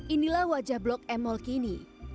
inilah wajah blok m mall kini